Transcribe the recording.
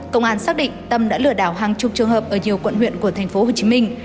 công an xác định tâm đã lừa đảo hàng chục trường hợp ở nhiều quận huyện của tp hcm